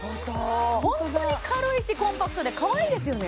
本当に軽いしコンパクトでかわいいですよね